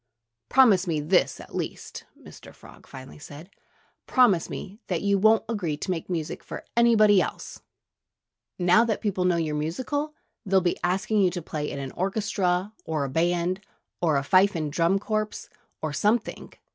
"Promise me this, at least " Mr. Frog finally said "promise me that you won't agree to make music for anybody else! Now that people know you're musical, they'll be asking you to play in an orchestra, or a band, or a fife and drum corps, or something.